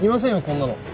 そんなの。